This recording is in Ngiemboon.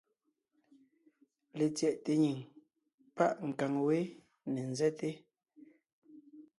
Letsyɛʼte nyìŋ páʼ nkàŋ wé ne ńzɛ́te.